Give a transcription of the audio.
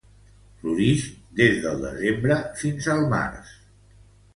Florix des del desembre fins al març.